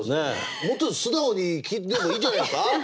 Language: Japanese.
もうちょっと素直に聞いてもいいんじゃないですか！